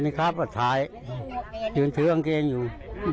พี่กุญเอกชื่อยืนถือเกงอยู่